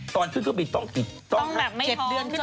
ตอนขึ้นไปต้อง๗เดือน